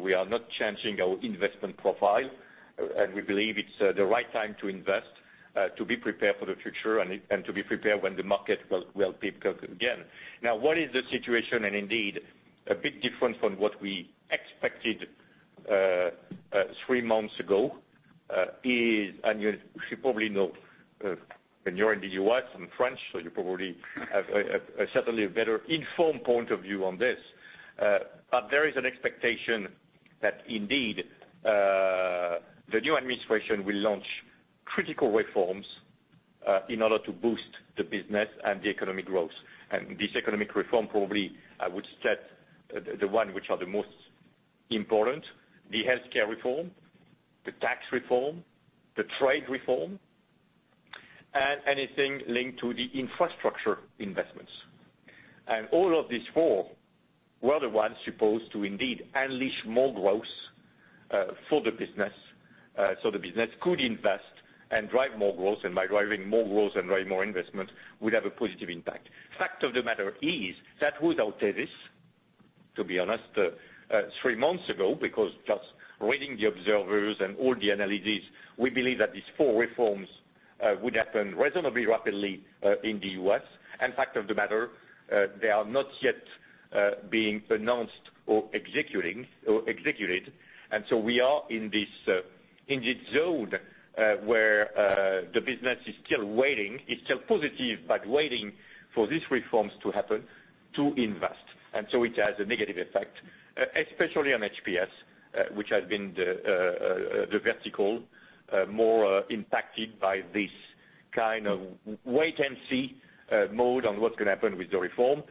We are not changing our investment profile, and we believe it's the right time to invest, to be prepared for the future, and to be prepared when the market will pick up again. What is the situation, and indeed, a bit different from what we expected three months ago is, and you probably know, and you're in the U.S., I'm French. You probably have certainly a better informed point of view on this. There is an expectation that indeed, the new administration will launch critical reforms in order to boost the business and the economic growth. This economic reform, probably I would cite the one which are the most important, the healthcare reform, the tax reform, the trade reform, and anything linked to the infrastructure investments. All of these four were the ones supposed to indeed unleash more growth for the business, so the business could invest and drive more growth. By driving more growth and drive more investment would have a positive impact. Fact of the matter is that would outset this, to be honest, three months ago, because just reading the observers and all the analyses, we believe that these four reforms would happen reasonably rapidly in the U.S. Fact of the matter, they are not yet being announced or executed. We are in this indeed zone where the business is still waiting, is still positive, but waiting for these reforms to happen to invest. It has a negative effect, especially on H&PS, which has been the vertical more impacted by this kind of wait-and-see mode on what's going to happen with the reform.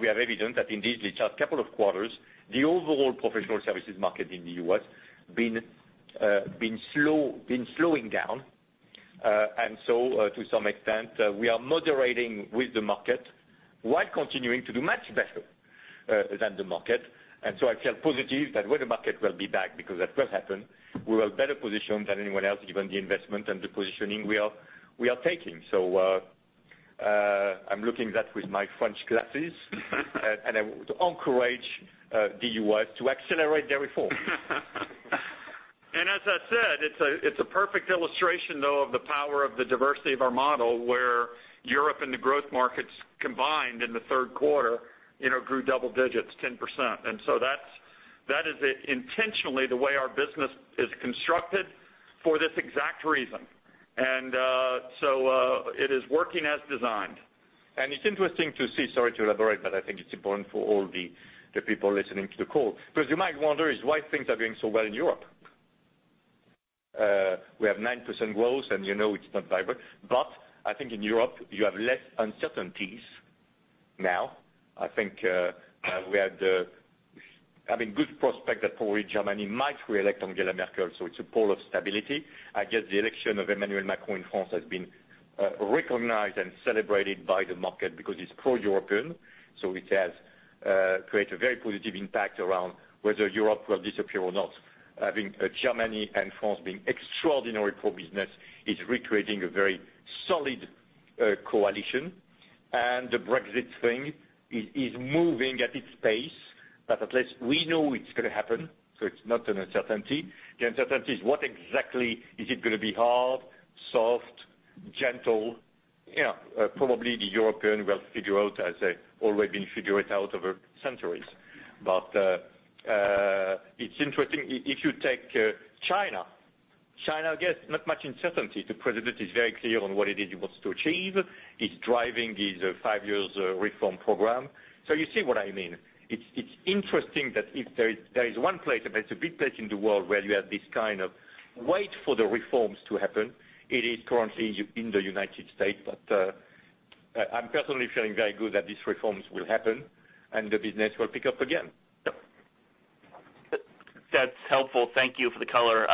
We are evident that indeed these last couple of quarters, the overall professional services market in the U.S. been slowing down. To some extent, we are moderating with the market while continuing to do much better than the market. I feel positive that when the market will be back, because that will happen, we are better positioned than anyone else, given the investment and the positioning we are taking. I'm looking that with my French glasses. I would encourage the U.S. to accelerate their reform. As I said, it's a perfect illustration, though, of the power of the diversity of our model, where Europe and the growth markets combined in the third quarter grew double digits, 10%. That is intentionally the way our business is constructed for this exact reason. It is working as designed. It's interesting to see, sorry to elaborate, I think it's important for all the people listening to the call. You might wonder why things are going so well in Europe. We have 9% growth, you know it's not vibrant. I think in Europe, you have less uncertainties now. I think we had a good prospect that probably Germany might reelect Angela Merkel, so it's a pole of stability. I guess the election of Emmanuel Macron in France has been recognized and celebrated by the market because it's pro-European, so it has created a very positive impact around whether Europe will disappear or not. Having Germany and France being extraordinary for business is recreating a very solid coalition. The Brexit thing is moving at its pace, but at least we know it's going to happen, so it's not an uncertainty. The uncertainty is what exactly is it going to be hard, soft, gentle? Probably the European will figure out as they already figured out over centuries. It's interesting, if you take China. China, I guess, not much uncertainty. The president is very clear on what it is he wants to achieve. He's driving his five years reform program. You see what I mean. It's interesting that if there is one place, and it's a big place in the world where you have this kind of wait for the reforms to happen, it is currently in the U.S. I'm personally feeling very good that these reforms will happen and the business will pick up again. Yep. That's helpful. Thank you for the color.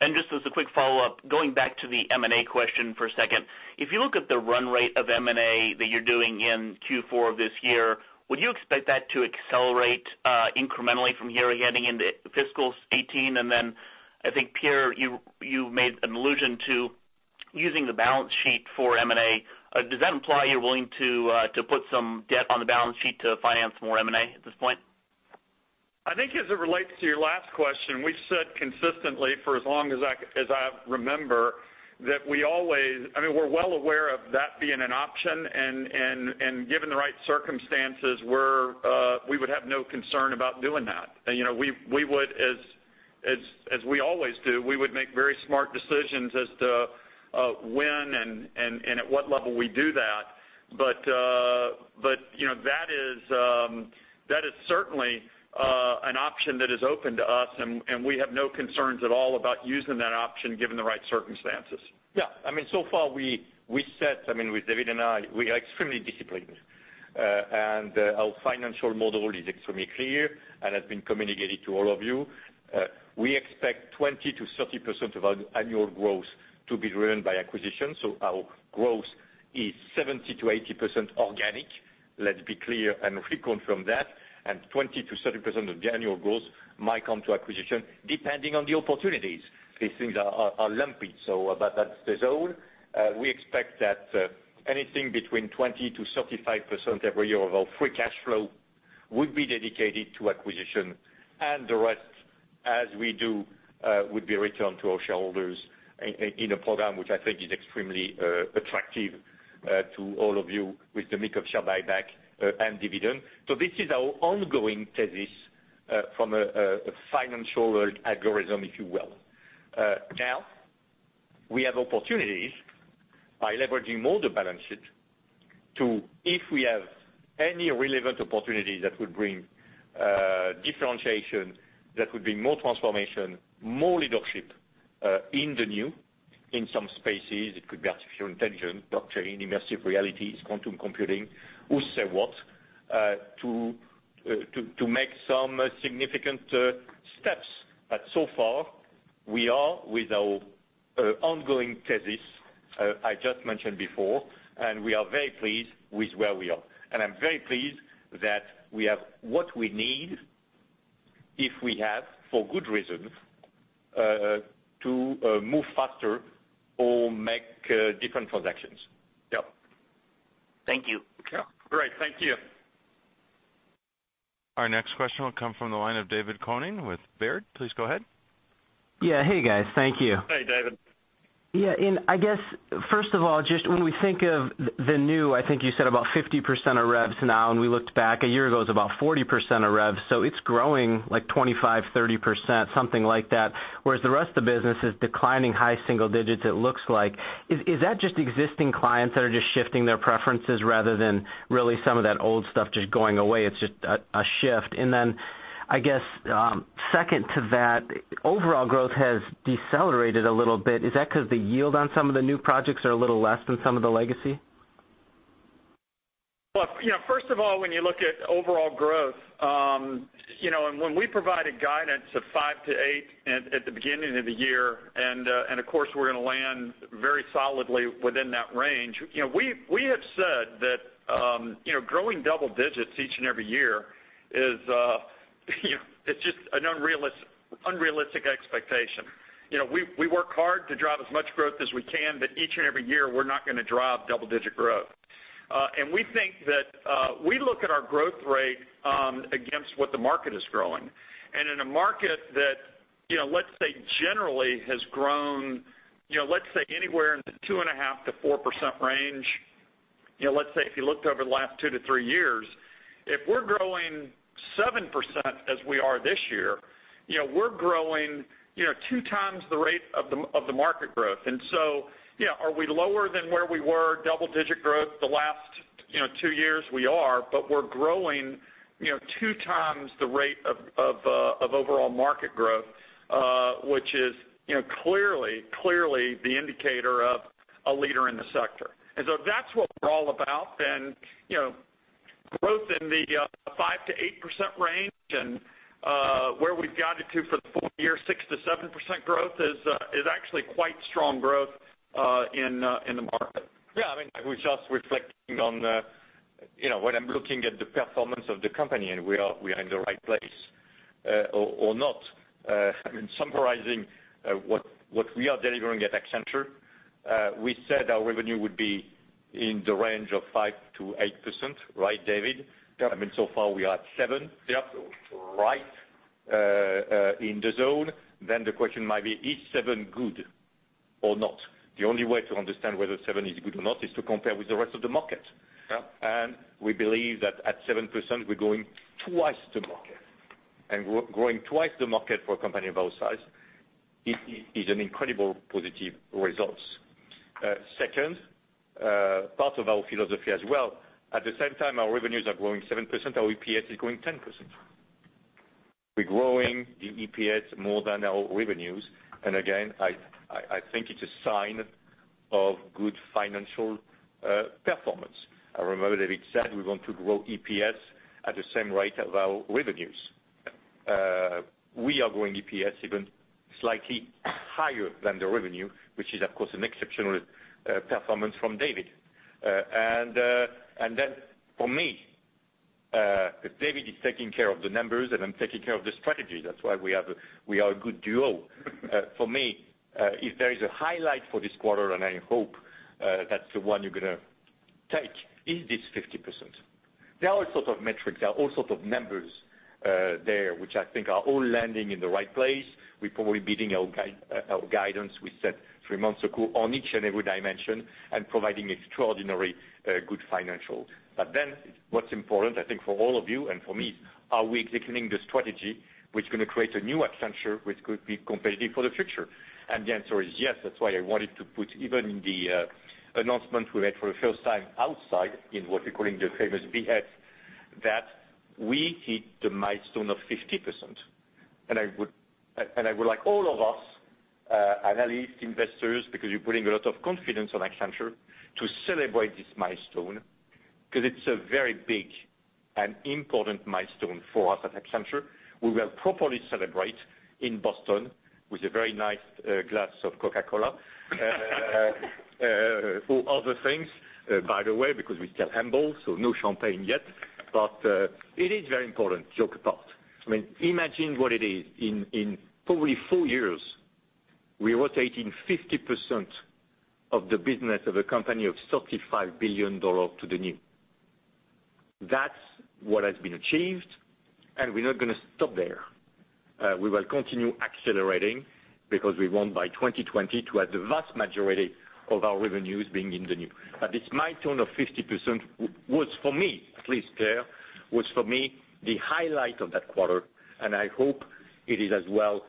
Just as a quick follow-up, going back to the M&A question for a second. If you look at the run rate of M&A that you're doing in Q4 of this year, would you expect that to accelerate incrementally from here getting into fiscal 2018? I think, Pierre, you made an allusion to using the balance sheet for M&A, does that imply you're willing to put some debt on the balance sheet to finance more M&A at this point? I think as it relates to your last question, we've said consistently for as long as I remember, we're well aware of that being an option, and given the right circumstances, we would have no concern about doing that. As we always do, we would make very smart decisions as to when and at what level we do that. That is certainly an option that is open to us, and we have no concerns at all about using that option, given the right circumstances. Yeah. So far, we said, with David and I, we are extremely disciplined. Our financial model is extremely clear and has been communicated to all of you. We expect 20%-30% of our annual growth to be driven by acquisition, so our growth is 70%-80% organic. Let's be clear, and reconfirm that, and 20%-30% of the annual growth might come to acquisition depending on the opportunities. These things are lumpy. That's the zone. We expect that anything between 20%-35% every year of our free cash flow would be dedicated to acquisition. The rest, as we do, would be returned to our shareholders in a program, which I think is extremely attractive to all of you, with the mix of share buyback and dividend. This is our ongoing thesis from a financial algorithm, if you will. We have opportunities by leveraging more the balance sheet. If we have any relevant opportunity that would bring differentiation, that would bring more transformation, more leadership in the new, in some spaces, it could be artificial intelligence, blockchain, immersive realities, quantum computing, who say what, to make some significant steps. So far, we are with our ongoing thesis I just mentioned before, and we are very pleased with where we are. I'm very pleased that we have what we need, if we have, for good reason, to move faster or make different transactions. Yep. Thank you. Okay, great. Thank you. Our next question will come from the line of David Koning with Baird. Please go ahead. Yeah. Hey, guys. Thank you. Hey, David. Yeah. I guess, first of all, just when we think of the new, I think you said about 50% of revs now, we looked back a year ago, it was about 40% of revs, it's growing, like 25%-30%, something like that, whereas the rest of the business is declining high single digits it looks like. Is that just existing clients that are just shifting their preferences rather than really some of that old stuff just going away? It's just a shift. I guess, second to that, overall growth has decelerated a little bit. Is that because the yield on some of the new projects are a little less than some of the legacy? Well, first of all, when you look at overall growth, when we provided guidance of 5%-8% at the beginning of the year, of course, we're going to land very solidly within that range. We have said that growing double digits each and every year is just an unrealistic expectation. We work hard to drive as much growth as we can, each and every year, we're not going to drive double digit growth. We look at our growth rate against what the market is growing. In a market that, let's say, generally has grown anywhere in the 2.5%-4% range, let's say if you looked over the last two to three years, if we're growing 7% as we are this year, we're growing two times the rate of the market growth. Are we lower than where we were double-digit growth the last two years? We are, we're growing two times the rate of overall market growth, which is clearly the indicator of a leader in the sector. That's what we're all about. Growth in the 5%-8% range and where we've guided to for the full year, 6%-7% growth, is actually quite strong growth in the market. Yeah, I was just reflecting on when I'm looking at the performance of the company and we are in the right place or not. Summarizing what we are delivering at Accenture, we said our revenue would be in the range of 5%-8%, right, David? Yep. Far we are at 7%. Yep. Right in the zone. The question might be, is 7% good or not? The only way to understand whether 7% is good or not is to compare with the rest of the market. Yep. We believe that at 7%, we're growing twice the market. Growing twice the market for a company of our size is an incredible positive results. Second, part of our philosophy as well, at the same time our revenues are growing 7%, our EPS is growing 10%. We're growing the EPS more than our revenues, and again, I think it's a sign of good financial performance. I remember David said we want to grow EPS at the same rate of our revenues. Yep. We are growing EPS even slightly higher than the revenue, which is, of course, an exceptional performance from David. For me David is taking care of the numbers, and I'm taking care of the strategy. That's why we are a good duo. For me, if there is a highlight for this quarter, and I hope that's the one you're going to take, is this 50%. There are all sorts of metrics. There are all sorts of numbers there, which I think are all landing in the right place. We're probably beating our guidance we set three months ago on each and every dimension and providing extraordinarily good financials. What's important, I think, for all of you and for me, are we executing the strategy, which is going to create a new Accenture, which could be competitive for the future? The answer is yes. That's why I wanted to put even the announcement we made for the first time outside in what we're calling the famous BX, that we hit the milestone of 50%. I would like all of us, analysts, investors, because you're putting a lot of confidence on Accenture, to celebrate this milestone because it's a very big and important milestone for us at Accenture. We will properly celebrate in Boston with a very nice glass of Coca-Cola. Other things, by the way, because we're still humble, so no champagne yet. It is very important, joke apart. Imagine what it is. In probably 4 years, we're rotating 50% of the business of a company of $35 billion to the new. That's what has been achieved, we're not going to stop there. We will continue accelerating because we want by 2020 to have the vast majority of our revenues being in the new. This milestone of 50% was, for me, at least, Pierre, was for me the highlight of that quarter, I hope it is as well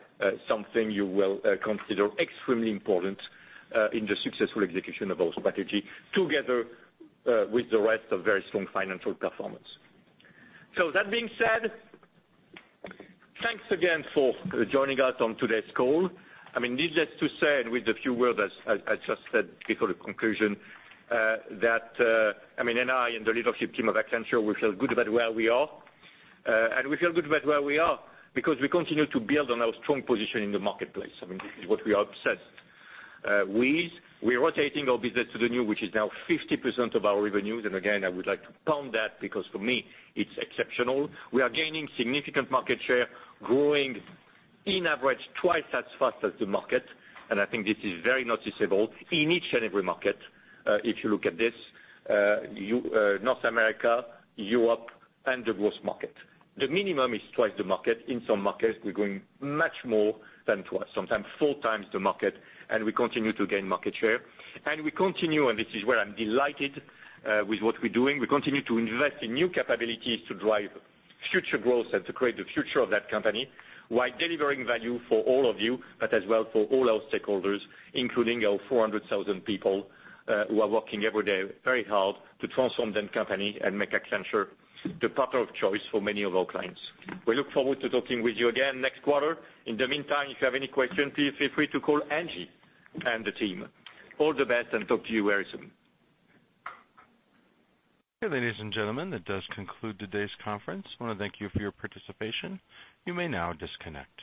something you will consider extremely important in the successful execution of our strategy together with the rest of very strong financial performance. That being said, thanks again for joining us on today's call. Needless to say, with the few words I just said before the conclusion, that Angie and I and the leadership team of Accenture, we feel good about where we are. We feel good about where we are because we continue to build on our strong position in the marketplace. This is what we have said. We're rotating our business to the new, which is now 50% of our revenues. Again, I would like to pound that because for me, it's exceptional. We are gaining significant market share, growing in average twice as fast as the market, I think this is very noticeable in each and every market if you look at this. North America, Europe, and the growth market. The minimum is twice the market. In some markets, we're growing much more than twice, sometimes 4 times the market, we continue to gain market share. We continue, this is where I'm delighted with what we're doing. We continue to invest in new capabilities to drive future growth and to create the future of that company while delivering value for all of you, but as well for all our stakeholders, including our 400,000 people who are working every day very hard to transform the company and make Accenture the partner of choice for many of our clients. We look forward to talking with you again next quarter. In the meantime, if you have any questions, please feel free to call Angie and the team. All the best, talk to you very soon. Okay, ladies and gentlemen, that does conclude today's conference. I want to thank you for your participation. You may now disconnect.